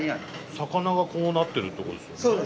魚がこうなってるってことですよね？